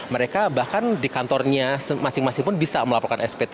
mereka bahkan di kantornya masing masing pun bisa melaporkan sp tiga